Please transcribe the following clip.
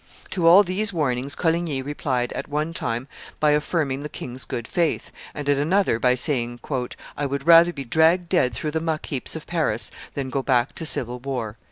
To all these warnings Coligny replied at one time by affirming the king's good faith, and at another by saying, "I would rather be dragged dead through the muck heaps of Paris than go back to civil war."